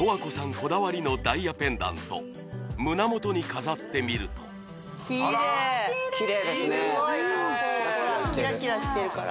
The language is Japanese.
こだわりのダイヤペンダント胸元に飾ってみるとキレイキレイですね